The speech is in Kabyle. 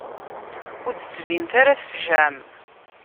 Ur d-ttbinet ara tfejεem.